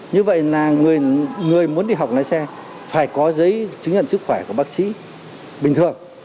như vậy là người muốn đi học lái xe phải có giấy chứng nhận sức khỏe của bác sĩ bình thường